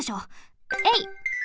えい！